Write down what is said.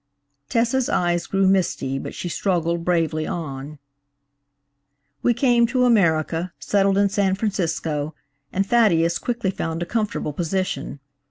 Tessa's eyes grew misty, but she struggled bravely on. "We came to America, settled in San Francisco, and Thaddeus quickly found a comfortable position.